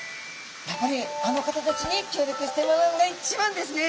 やっぱりあの方たちに協力してもらうのが一番ですね！